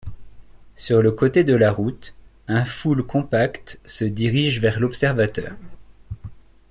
Sur ce côté de la route, un foule compacte se dirige vers l'observateur.